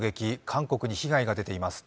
韓国に被害が出ています。